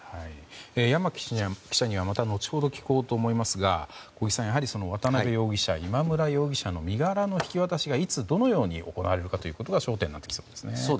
山木記者にはまた後ほど聞こうと思いますが小木さん、やはり渡邉容疑者と今村容疑者の身柄の引き渡しがいつ、どのように行われるかが焦点となりそうですね。